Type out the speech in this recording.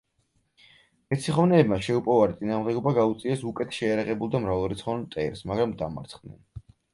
მეციხოვნეებმა შეუპოვარი წინააღმდეგობა გაუწიეს უკეთ შეიარაღებულ და მრავალრიცხოვან მტერს, მაგრამ დამარცხდნენ.